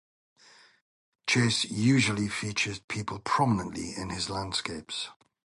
Chase usually featured people prominently in his landscapes.